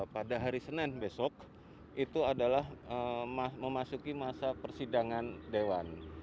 pada hari senin besok itu adalah memasuki masa persidangan dewan